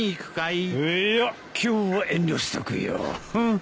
いや今日は遠慮しとくよ。